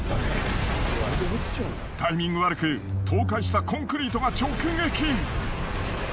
タイミング悪く倒壊したコンクリートが直撃！